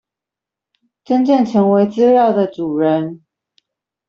真正成為資料的主人